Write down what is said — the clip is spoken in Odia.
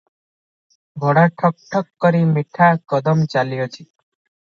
ଘୋଡ଼ା ଠକ୍ ଠକ୍ କରି ମିଠା କଦମ ଚାଲିଅଛି ।